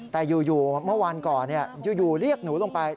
แต่อยู่เมื่อวานก่อนอยู่เรียกหนูลงไป